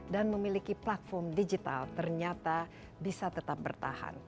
dan memiliki platform digital ternyata bisa tetap bertahan